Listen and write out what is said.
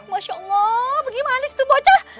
masya allah bagaimana disitu bocah